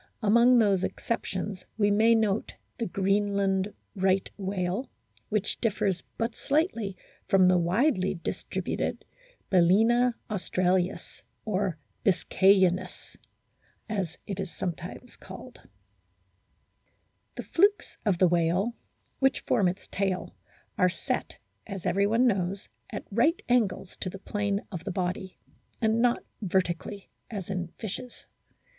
Among these excep tions we may note the Greenland Right whale, which differs but slightly from the widely distributed Bal&na australis, or biscayensis as it is sometimes called. THE EXTERNAL FORM OF WHALES 7 THE TAIL The " flukes " of the whale, which form its tail, are set, as everyone knows, at right angles to the plane of the body, and not vertically as in fishes.